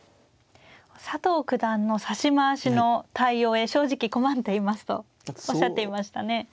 佐藤九段の指し回しの対応へ正直困っていますとおっしゃっていましたね。